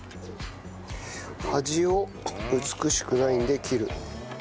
端を美しくないんで切る。